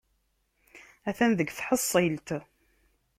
Atan deg tḥeṣṣilt.